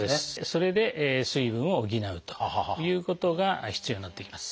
それで水分を補うということが必要になってきます。